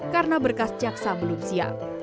karena berkas caksa belum siap